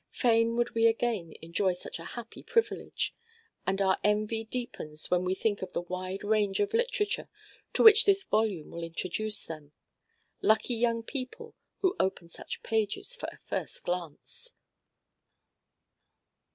Fain would we again enjoy such a happy privilege. And our envy deepens when we think of the wide range of literature to which this volume will introduce them. Lucky young people who open such pages for a first glance!